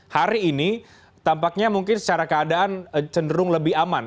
hari ini tampaknya mungkin secara keadaan cenderung lebih aman